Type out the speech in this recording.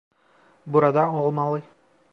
Burada olmalı.